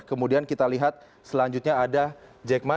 kemudian kita lihat selanjutnya ada jack ma